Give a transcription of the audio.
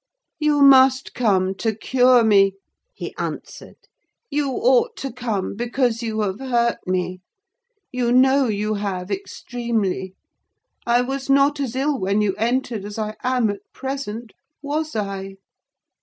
"You must come, to cure me," he answered. "You ought to come, because you have hurt me: you know you have extremely! I was not as ill when you entered as I am at present—was I?"